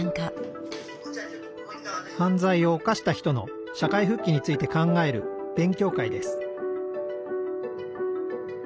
犯罪を犯した人の社会復帰について考える勉強会です